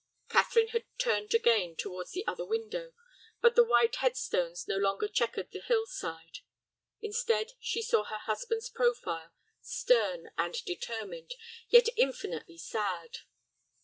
Catherine had turned again towards the other window, but the white head stones no longer checkered the hill side. Instead, she saw her husband's profile, stern and determined, yet infinitely sad.